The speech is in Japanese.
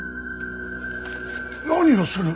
何をする。